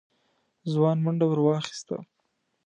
ځوان منډه ور واخيسته.